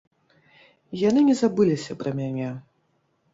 Яны не забыліся пра мяне.